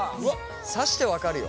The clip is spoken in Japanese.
刺して分かるよ。